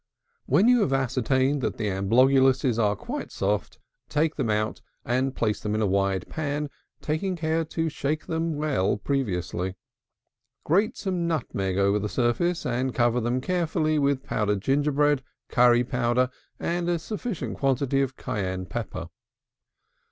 When you have ascertained that the Amblongusses are quite soft, take them out, and place them in a wide pan, taking care to shake them well previously. Grate some nutmeg over the surface, and cover them carefully with powdered gingerbread, curry powder, and a sufficient quantity of Cayenne pepper.